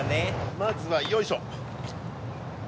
まずはよいしょ。